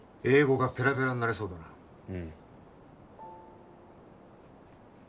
英語がペラペラになれそうだなうん